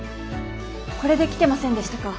これで来てませんでしたか？